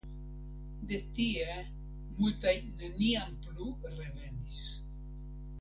De tie multaj neniam plu revenis.